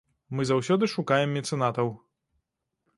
Мы заўсёды шукаем мецэнатаў.